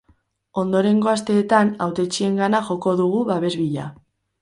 Ondorengo asteetan hautetsiengana joko dugu babes bila.